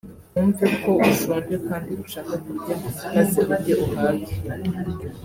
wumve ko ushonje kandi ushaka kurya maze urye uhage